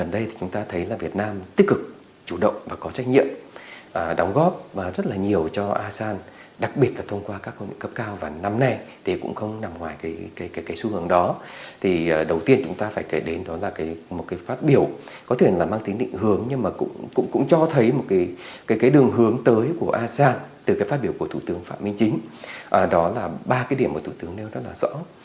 ba điểm của thủ tướng nêu rất rõ